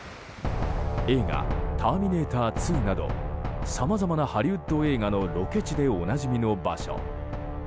映画「ターミネーター２」などさまざまなハリウッド映画のロケ地でおなじみの場所。